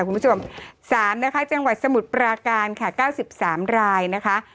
คุณผู้ชมสามนะคะจังหวัดสมุทรปราการค่ะเก้าสิบสามรายนะคะ